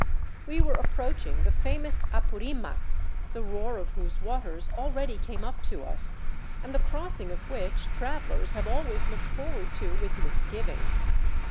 We were approaching the fa mous Apurimac, the roar of whose waters already came up to us, and the crossing of which travelers have always looked forward to with misgiving.